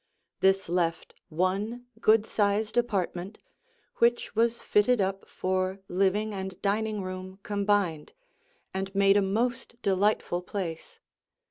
This left one good sized apartment, which was fitted up for living and dining room combined and made a most delightful place.